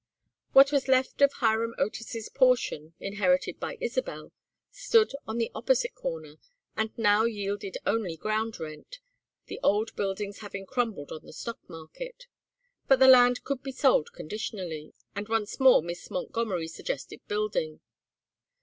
What was left of Hiram Otis's portion, inherited by Isabel, stood on the opposite corner, and now yielded only ground rent, the old buildings having crumbled on the stock market. But the land could be sold conditionally, and once more Miss Montgomery suggested building.